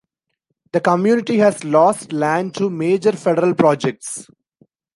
The Community has lost land to major federal projects.